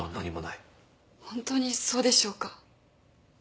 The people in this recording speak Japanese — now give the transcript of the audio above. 本当にそうでしょうか。